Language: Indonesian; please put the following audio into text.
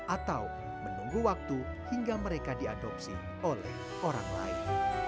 atau menunggu waktu hingga mereka diadopsi oleh orang lain